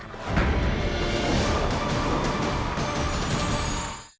โปรดติดตามตอนต่อไป